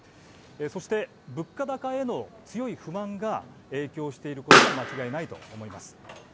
そして、物価高への強い不満が影響していることも間違いないと思います。